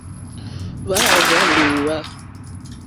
Hwá àrzà lǒhwà.